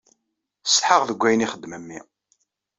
Ssetḥaɣ deg ayen ixeddem mmi.